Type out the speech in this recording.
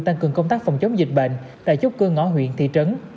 tăng cường công tác phòng chống dịch bệnh tại chốt cơ ngõ huyện thị trấn